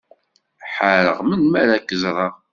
Ḥareɣ melmi ara k-ẓreɣ.